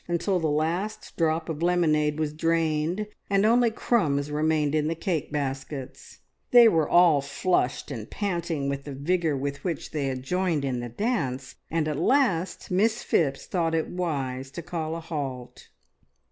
until the last drop of lemonade was drained, and only crumbs remained in the cake baskets. They were all flushed and panting with the vigour with which they had joined in the dance, and at last Miss Phipps thought it wise to call a halt.